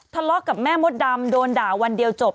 ทะเลาะกับแม่มดดำโดนด่าวันเดียวจบ